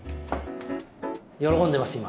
喜んでます今。